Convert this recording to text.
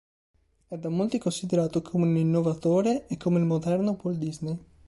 È da molti considerato come un innovatore e come il "moderno Walt Disney".